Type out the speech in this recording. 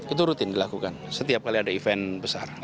itu rutin dilakukan setiap kali ada event besar